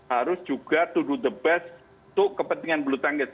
harus juga to do the best untuk kepentingan bulu tangkis